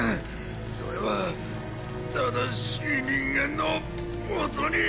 それは正しい人間の元に！